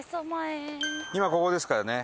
今ここですからね。